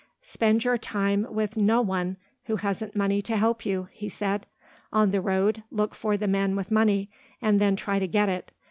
"Spend your time with no one who hasn't money to help you," he said; "on the road look for the men with money and then try to get it.